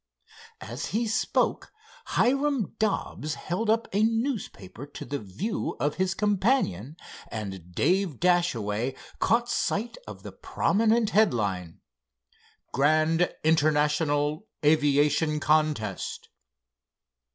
As he spoke, Hiram Dobbs held up a newspaper to the view of his companion, and Dave Dashaway caught sight of the prominent head line: "Grand International Aviation Contest."